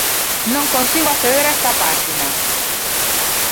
Non consigo acceder a esta páxina.